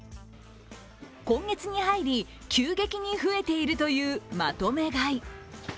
今月に入り、急激に増えているというまとめ買い。